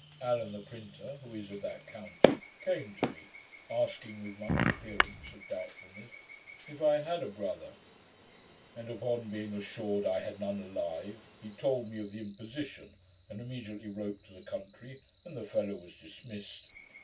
Allen the printer, who is of that county, came to me, asking, with much appearance of doubtfulness, if I had a brother; and upon being assured I had none alive, he told me of the imposition, and immediately wrote to the country, and the fellow was dismissed.